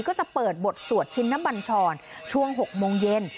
ก็จะเปิดบทสวดชินนบัญชรช่วง๖โมงเย็น